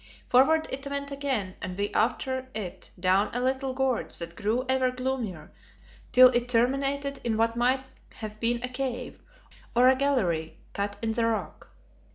Forward it went again and we after it down a little gorge that grew ever gloomier till it terminated in what might have been a cave, or a gallery cut in the rock.